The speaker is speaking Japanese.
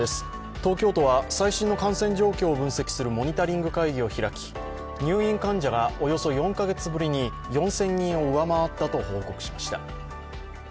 東京都は最新の感染状況を分析するモニタリング会議を開き入院患者がおよそ４か月ぶりに４０００人を上回ったと報告しました。